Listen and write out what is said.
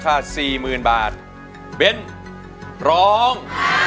จะใช้หรือไม่ใช้ครับ